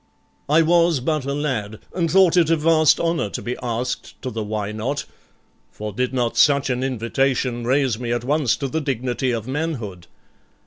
I was but a lad, and thought it a vast honour to be asked to the Why Not? for did not such an invitation raise me at once to the dignity of manhood.